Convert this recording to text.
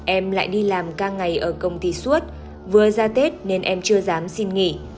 em lại đi làm ca ngày ở công ty suốt vừa ra tết nên em chưa dám xin nghỉ